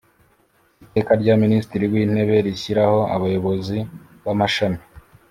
Iteka rya Minisitiri w Intebe rishyiraho Abayobozi b Amashami